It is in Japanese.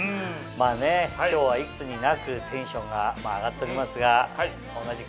まぁね今日はいつになくテンションが上がっておりますが。